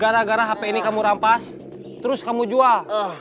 gara gara hp ini kamu rampas terus kamu jual